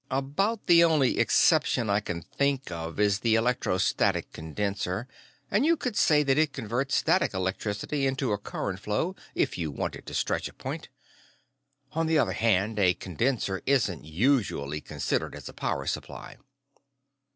"About the only exception I can think of is the electrostatic condenser, and you could say that it converts static electricity into a current flow if you wanted to stretch a point. On the other hand, a condenser isn't usually considered as a power supply."